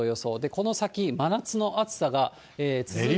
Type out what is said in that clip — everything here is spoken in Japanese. この先、真夏の暑さが続いていきます。